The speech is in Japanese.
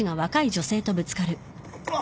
あっ！